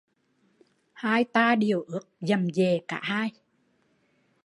Hai ta đều ướt dầm dề cả hai